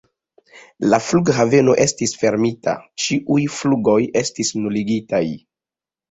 La flughaveno estis fermita, ĉiuj flugoj estis nuligitaj.